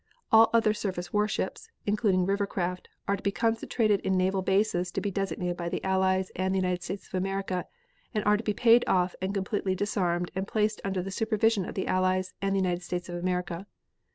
All other surface warships (including river craft) are to be concentrated in naval bases to be designated by the Allies and the United States of America, and are to be paid off and completely disarmed and placed under the supervision of the Allies and the United States of America.